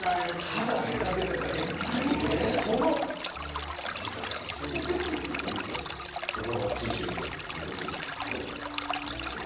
ただ寝かせてるだけじゃないというその石井さんが手塩にかけたおみそこの信州みそで作ったみそ汁をご用意させて頂きました。